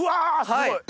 すごい。